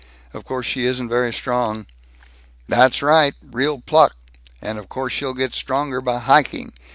Of course she isn't very strong." "That's right. Real pluck. And of course she'll get stronger by hiking.